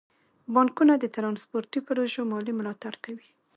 بانکونه د ترانسپورتي پروژو مالي ملاتړ کوي.